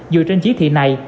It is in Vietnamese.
dựa trên chí thị này